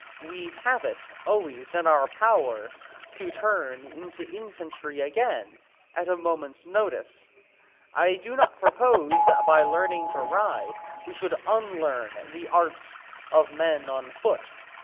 We have it always in our power to turn into infantry again at a moment's notice. I do not propose that by learning to ride we should unlearn the arts of men on foot."